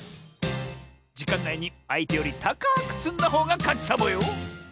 じかんないにあいてよりたかくつんだほうがかちサボよ！